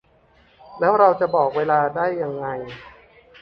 แล้วเราจะบอกเวลาได้ยังไง